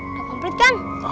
udah komplit kan